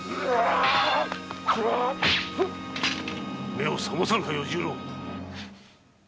目を醒まさぬか与十郎。